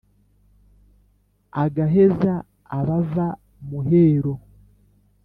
agaheza abava-muhero